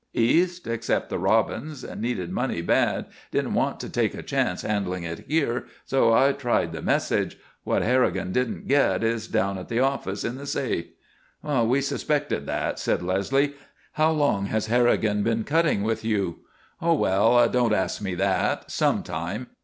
"East. Except the Robbins. Needed money bad, didn't want to take a chance handling it here, so I tried the message. What Harrigan didn't get is down at the office in the safe." "We suspected that," said Leslie. "How long has Harrigan been cutting with you?" "Oh, well, don't ask me that. Some time.